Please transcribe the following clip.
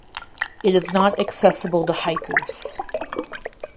It is not accessible to hikers.